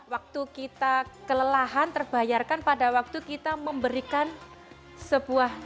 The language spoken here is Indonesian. waktu kita kelelahan terbayarkan pada waktu kita memberikan sebuah